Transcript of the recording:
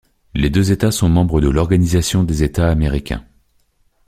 Les deux États sont membres de l'Organisation des États américains.